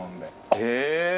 へえ！